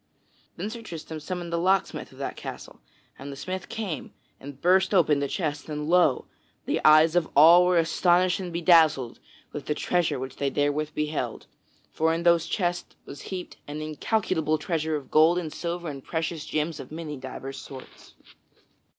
Then Sir Tristram summoned the locksmith of that castle; and the smith came and burst open the chests; and lo! the eyes of all were astonished and bedazzled with the treasure which they therewith beheld; for in those chests was heaped an incalculable treasure of gold and silver and precious gems of many divers sorts.